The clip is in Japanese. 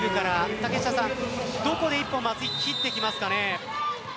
竹下さん、どこで１本松井、切ってきますかね。